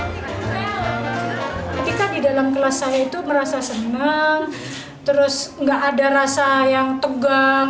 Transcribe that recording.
ketika di dalam kelas saya itu merasa senang terus nggak ada rasa yang tegang